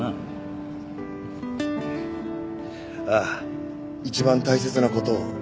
ああ一番大切な事を。